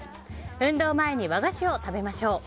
運動前に和菓子を食べましょう。